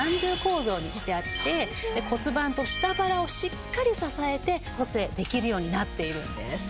にしてあって骨盤と下腹をしっかり支えて補整できるようになっているんです。